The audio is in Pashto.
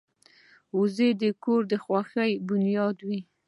• زوی د کور د خوښۍ بنیاد وي.